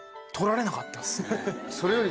それより。